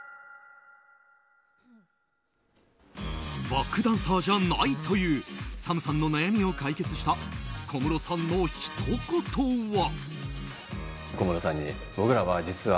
バックダンサーじゃないというＳＡＭさんの悩みを解決した小室さんのひと言は。